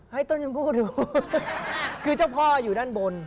ให้ต้นชมพู่ดูคือเจ้าพ่ออยู่ด้านบน